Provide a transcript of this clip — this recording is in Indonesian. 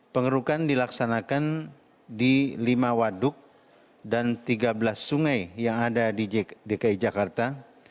pengerukan dilaksanakan di lima waduk dan tiga belas sungai yang ada di dki jakarta